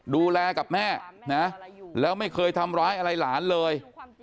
ดูแลกับแม่นะแล้วไม่เคยทำร้ายอะไรหลานเลย